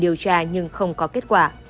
là nhưng không có kết quả